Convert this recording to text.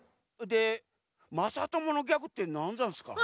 でまさとものギャグってなんざんすか？